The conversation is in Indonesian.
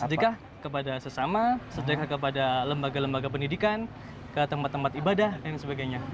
sedekah kepada sesama sedekah kepada lembaga lembaga pendidikan ke tempat tempat ibadah dan sebagainya